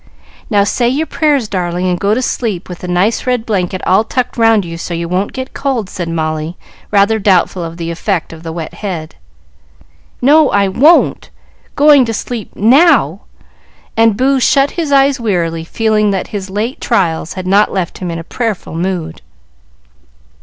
"Now, say your prayers, darling, and go to sleep with the nice red blanket all tucked round so you won't get cold," said Molly, rather doubtful of the effect of the wet head. "No, I won't! Going to sleep now!" and Boo shut his eyes wearily, feeling that his late trials had not left him in a prayerful mood.